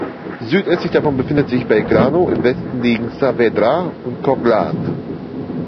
Südöstlich davon befindet sich Belgrano, im Westen liegen Saavedra und Coghlan.